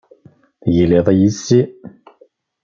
Tegliḍ yes-i.